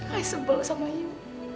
ai sebel sama you